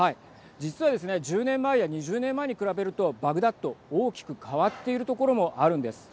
実はですね１０年前や２０年前に比べるとバグダッド、大きく変わっているところもあるんです。